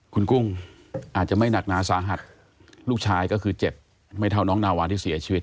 คุณกุ้งอาจจะไม่หนักหนาสาหัสลูกชายก็คือเจ็บไม่เท่าน้องนาวาที่เสียชีวิต